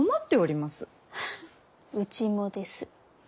うちもです。